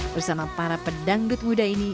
bersama para pedangdut muda ini